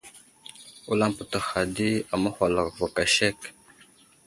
Wulam pətəhha di aməhwalako vo aka sek.